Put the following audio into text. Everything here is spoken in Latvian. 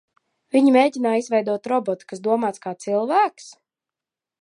Viņi mēģināja izveidot robotu, kas domātu kā cilvēks?